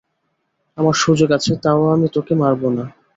আমার সুযোগ আছে, তাও আমি তোকে মারব না!